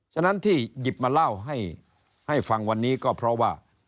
ฉะนั้นที่หยิบมาเล่าให้ฟังวันนี้ก็เพราะว่า